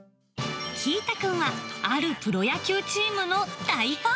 キー太くんはあるプロ野球チームの大ファン。